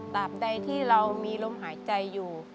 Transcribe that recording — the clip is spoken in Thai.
บใดที่เรามีลมหายใจอยู่